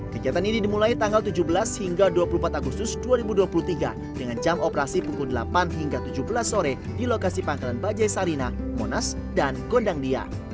kegiatan ini dimulai tanggal tujuh belas hingga dua puluh empat agustus dua ribu dua puluh tiga dengan jam operasi pukul delapan hingga tujuh belas sore di lokasi pangkalan bajai sarinah monas dan gondangdia